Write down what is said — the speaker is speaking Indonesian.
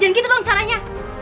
jangan gitu dong caranya